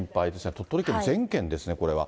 鳥取県全県ですね、これは。